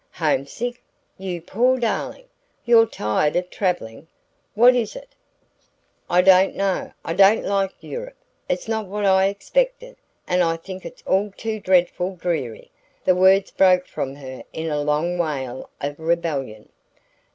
"Homesick? You poor darling! You're tired of travelling? What is it?" "I don't know...I don't like Europe...it's not what I expected, and I think it's all too dreadfully dreary!" The words broke from her in a long wail of rebellion.